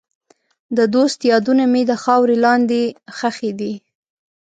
د دوست یادونه مې د خاورې لاندې ښخې دي.